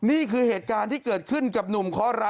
นี่คือเหตุการณ์ที่เกิดขึ้นกับหนุ่มเคาะร้าย